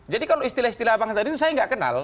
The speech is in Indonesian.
jadi kalau istilah istilah abang tadi itu saya tidak kenal